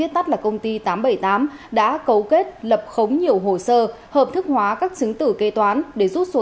tắt là công ty tám trăm bảy mươi tám đã cấu kết lập khống nhiều hồ sơ hợp thức hóa các chứng tử kế toán để rút số